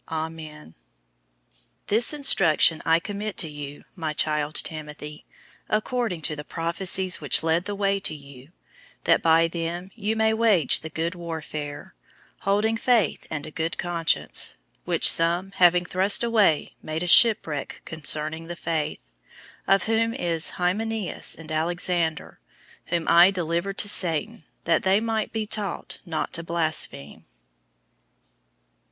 Amen. 001:018 This charge I commit to you, my child Timothy, according to the prophecies which led the way to you, that by them you may wage the good warfare; 001:019 holding faith and a good conscience; which some having thrust away made a shipwreck concerning the faith; 001:020 of whom is Hymenaeus and Alexander; whom I delivered to Satan, that they might be taught not to blaspheme.